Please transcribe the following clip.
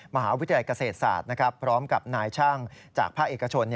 มหาวิทยาลัยเกษตรศาสตร์พร้อมกับนายช่างจากภาคเอกชน